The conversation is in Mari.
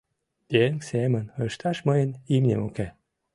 Еҥ семын ышташ мыйын имнем уке.